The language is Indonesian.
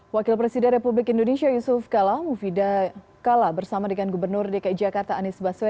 wakil presiden republik indonesia yusuf kala mufidah kala bersama dengan gubernur dki jakarta anies baswedan